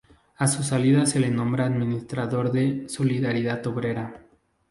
A su salida se le nombra administrador de "Solidaridad Obrera".